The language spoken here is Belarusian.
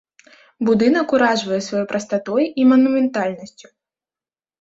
Будынак уражвае сваёй прастатой і манументальнасцю.